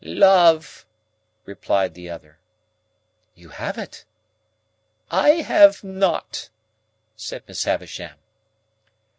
"Love," replied the other. "You have it." "I have not," said Miss Havisham.